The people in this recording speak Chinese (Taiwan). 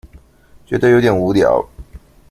覺得有點無聊